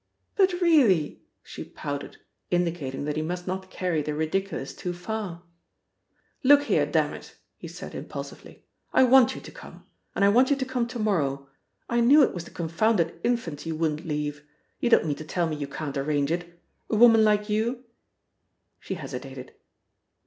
"But really " she pouted, indicating that he must not carry the ridiculous too far. "Look here, d n it," he said impulsively, "I want you to come. And I want you to come to morrow. I knew it was the confounded infants you wouldn't leave. You don't mean to tell me you can't arrange it a woman like you!" She hesitated.